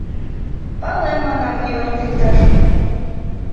— Палем, манам, Иванов йолташ.